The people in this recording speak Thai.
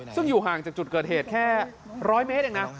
ซึ่งอยู่ห่างจากจุดเกิดเหตุแค่๑๐๐เมตรเองนะ